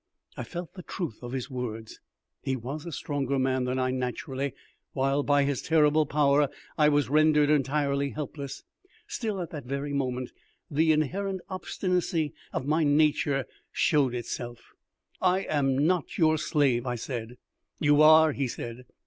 I felt the truth of his words. He was a stronger man than I naturally, while by his terrible power I was rendered entirely helpless. Still, at that very moment, the inherent obstinacy of my nature showed itself. "I am not your slave," I said. "You are," he said.